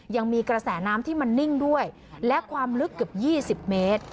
ยังมีกระแสน้ำที่มันนิ่งด้วยและความลึกเกือบ๒๐เมตร